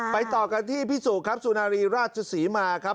ไปต่อกันที่พี่สูตรครับสุนารีราชสีมาครับ